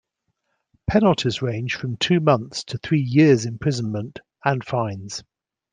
Penalties range from two months' to three years' imprisonment and fines.